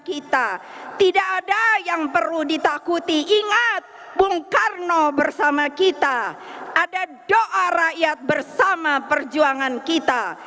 kita tidak ada yang perlu ditakuti ingat bung karno bersama kita ada doa rakyat bersama perjuangan kita